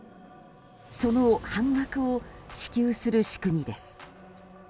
その半額を支給する仕組みです。